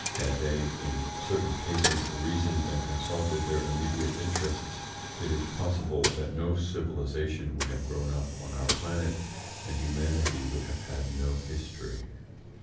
Had they, in certain cases, reasoned and consulted their immediate interests, it is possible that no civilisation would have grown up on our planet and humanity would have had no history.